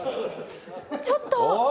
ちょっと！